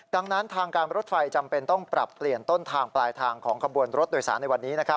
ดังนั้นทางการรถไฟจำเป็นต้องปรับเปลี่ยนต้นทางปลายทางของขบวนรถโดยสารในวันนี้